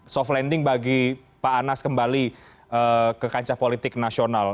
soft landing bagi pak anas kembali ke kancah politik nasional